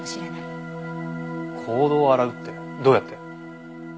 行動を洗うってどうやって？